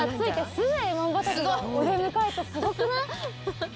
お出迎えってすごくない？